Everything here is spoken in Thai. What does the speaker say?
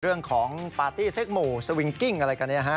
เรื่องของปาร์ตี้เซ็กหมู่สวิงกิ้งอะไรกันเนี่ยฮะ